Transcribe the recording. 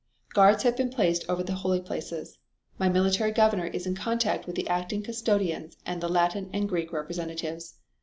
"Guards have been placed over the holy places. My military governor is in contact with the acting custodians and the Latin and Greek representatives.